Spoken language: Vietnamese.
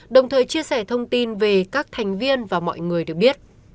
đồng thời chia sẻ thông tin về các thành viên và mọi người được biết